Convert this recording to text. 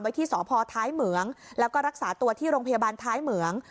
ที่สพท้ายเหมืองแล้วก็รักษาตัวที่โรงพยาบาลท้ายเหมือง